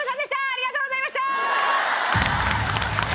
ありがとうございましたー！